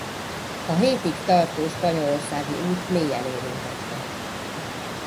A hétig tartó spanyolországi út mélyen érintette.